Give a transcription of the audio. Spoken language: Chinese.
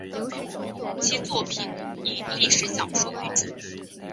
其作品以历史小说为主。